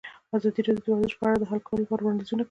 ازادي راډیو د ورزش په اړه د حل کولو لپاره وړاندیزونه کړي.